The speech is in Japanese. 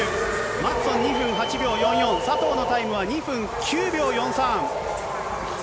マッツォンは２分８秒４４、佐藤のタイムは２分９秒４３。